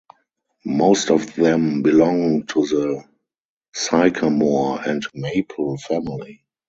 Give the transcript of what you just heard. Most of them belong to the sycamore and maple family.